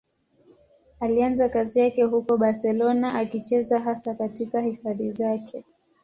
Alianza kazi yake huko Barcelona, akicheza hasa katika hifadhi zake.